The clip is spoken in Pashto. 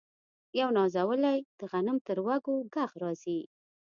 یو نازولی د غنم تر وږو ږغ راځي